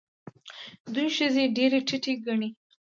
دوی ښځې ډېرې ټیټې ګڼي.